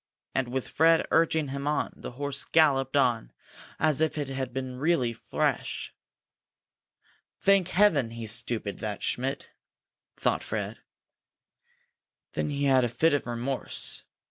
And, with Fred urging him on, the horse galloped on as if it had been really fresh. "Thank heaven he's stupid, that Schmidt!" thought Fred. Then he had a fit of remorse.